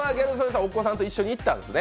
お子さんと一緒に行ったんですね？